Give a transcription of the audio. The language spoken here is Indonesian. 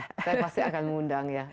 saya pasti akan mengundang ya